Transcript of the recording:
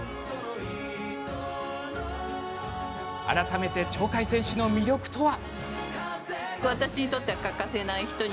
改めて、鳥海選手の魅力とは？